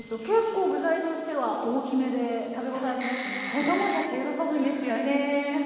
子供たち喜ぶんですよね。